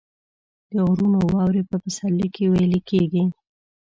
د غرونو واورې په پسرلي کې ویلې کیږي